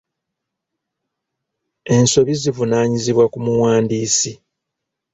Ensobi zivunaanyizibwa ku muwandiisi.